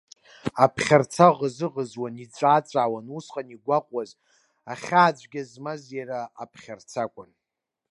Аԥхьарца ӷызы-ӷызуан, иҵәаа-ҵәаауан, усҟан игәаҟуаз, ахьаацәгьа змаз иара аԥхьарца акәын.